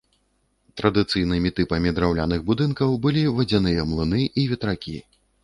Традыцыйнымі тыпамі драўляных будынкаў былі вадзяныя млыны і ветракі.